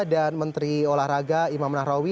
dan menteri olahraga imam nahrawi